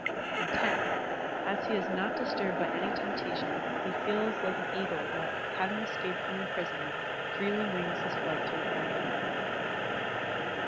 (lo) As he is not disturbed by any temptation, he feels like an eagle that, having escaped from imprisonment, freely wings his flight through the air.